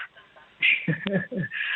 periode dan lain sebagainya